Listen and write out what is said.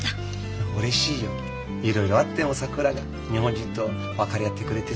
いろいろあってもさくらが日本人と分かり合ってくれてさ。